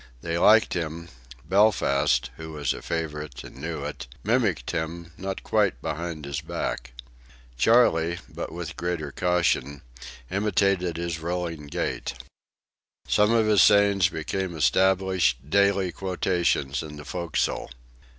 They liked him; Belfast who was a favourite, and knew it mimicked him, not quite behind his back. Charley but with greater caution imitated his rolling gait. Some of his sayings became established, daily quotations in the forecastle.